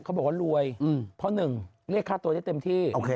เขาบอกว่ารวยเพราะหนึ่งเรียกค่าตัวได้เต็มที่